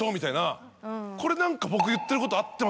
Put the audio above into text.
これ何か僕。